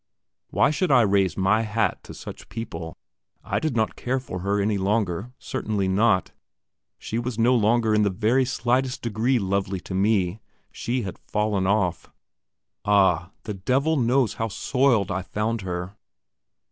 Why should I raise my hat to such people? I did not care for her any longer, certainly not; she was no longer in the very slightest degree lovely to me; she had fallen off. Ah, the devil knows how soiled I found her!